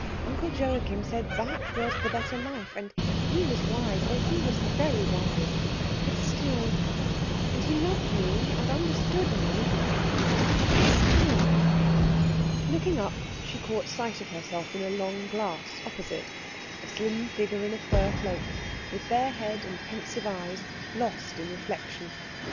Uncle Joachim said that was the better life, and he was wise oh, he was very wise but still And he loved me, and understood me, but still " Looking up she caught sight of herself in a long glass opposite, a slim figure in a fur cloak, with bare head and pensive eyes, lost in reflection.